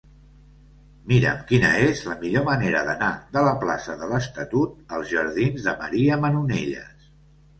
Mira'm quina és la millor manera d'anar de la plaça de l'Estatut als jardins de Maria Manonelles.